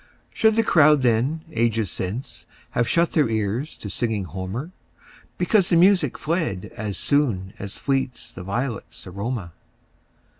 Should the crowd then, ages since, Have shut their ears to singing Homer, Because the music fled as soonAs fleets the violets' aroma?